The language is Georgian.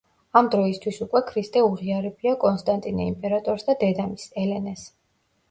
ამ დროისთვის უკვე ქრისტე უღიარებია კონსტანტინე იმპერატორს და დედამისს, ელენეს.